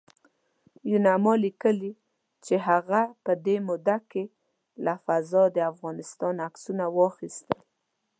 یوناما لیکلي چې هغه په دې موده کې له فضا د افغانستان عکسونه واخیستل